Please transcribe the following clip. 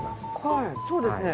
はいそうですね